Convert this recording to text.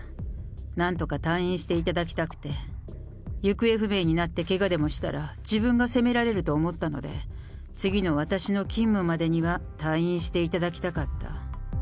なんとか退院していただきたくて、行方不明になってけがでもしたら、自分が責められると思ったので、次の私の勤務までには退院していただきたかった。